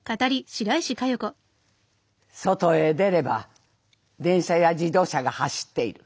外へ出れば電車や自動車が走っている。